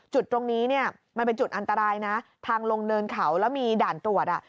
จุดตรงนี้เนี่ยมันเป็นจุดอันตรายนะทางลงเนินเขาแล้วมีด่านตรวจอ่ะ